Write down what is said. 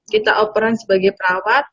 kita operan sebagai perawat